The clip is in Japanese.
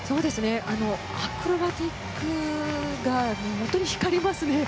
アクロバティックが本当に光りますね。